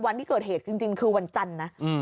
วันที่เกิดเหตุจริงคือวันจันทร์นะ